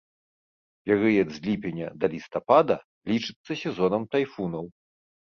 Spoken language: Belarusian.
Перыяд з ліпеня да лістапада лічыцца сезонам тайфунаў.